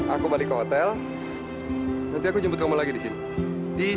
aku balik hotel nanti aku jumpa lagi di sini di sini